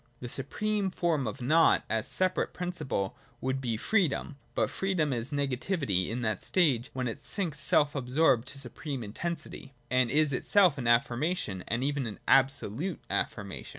— The supreme form of Nought as a separate principle would be Freedom : but Freedom is negativity in that stage, when it sinks self absorbed to supreme intensity, and is itself an affirmation, and even absolute affirmation.